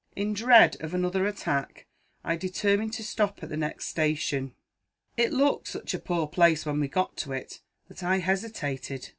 In dread of another attack, I determined to stop at the next station. It looked such a poor place, when we got to it, that I hesitated. Mrs.